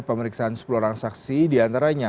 pemeriksaan sepuluh orang saksi diantaranya